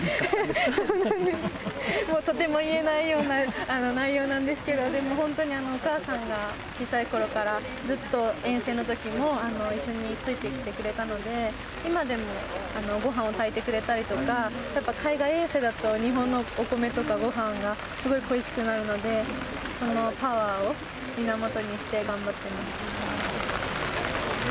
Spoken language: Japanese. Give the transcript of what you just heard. そうなんです、もうとても言えないような内容なんですけど、でも本当に、お母さんが、小さいころからずっと遠征のときも一緒についてきてくれたので、今でもごはんを炊いてくれたりとか、やっぱ海外遠征だと日本のお米とかごはんがすごい恋しくなるので、そのパワーを源にして頑張っています。